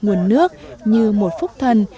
nguồn nước như một phúc thần